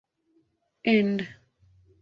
Ind.